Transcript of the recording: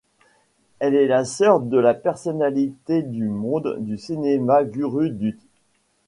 Elle est la sœur de la personnalité du monde du cinéma Guru Dutt.